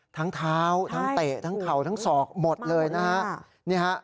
ทั้งเท้าทั้งเตะทั้งเข่าทั้งศอกหมดเลยนะฮะ